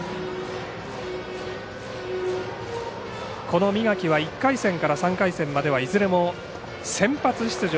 この三垣が１回戦から３回戦までは、いずれも先発出場